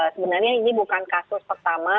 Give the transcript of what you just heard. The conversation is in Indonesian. sebenarnya ini bukan kasus pertama